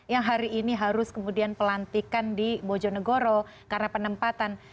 yang hari ini harus kemudian pelantikan di bojonegoro karena penempatan